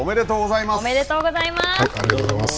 おめでとうございます。